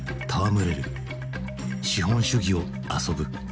資本主義を遊ぶ。